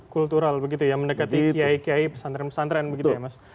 kultural begitu ya mendekati kiai kiai pesantren pesantren begitu ya mas